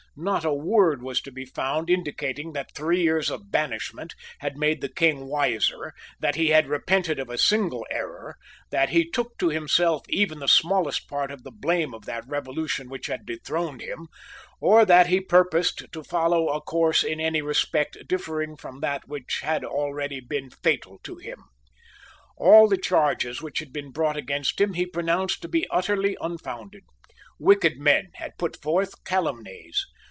Not a word was to be found indicating that three years of banishment had made the King wiser, that he had repented of a single error, that he took to himself even the smallest part of the blame of that revolution which had dethroned him, or that he purposed to follow a course in any respect differing from that which had already been fatal to him. All the charges which had been brought against him he pronounced to be utterly unfounded. Wicked men had put forth calumnies.